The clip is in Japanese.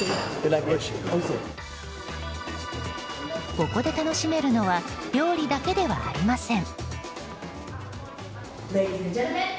ここで楽しめるのは料理だけではありません。